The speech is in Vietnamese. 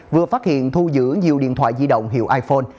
vừa phát hiện thu giữ nhiều điện thoại di động hiệu iphone